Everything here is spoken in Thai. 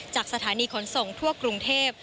จากสถานีขนส่งทั่วกรุงเทพ